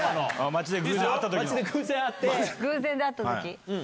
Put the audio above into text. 偶然出会った時。